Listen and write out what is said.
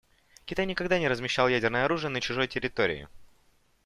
Китай никогда не размещал ядерное оружие на чужой территории.